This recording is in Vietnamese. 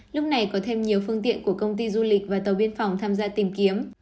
lúc này có thêm nhiều phương tiện của công ty du lịch và tàu biên phòng tham gia tìm kiếm